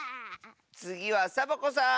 つぎはサボ子さん！